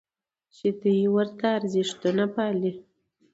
چې دې ته ورته ارزښتونه پالي.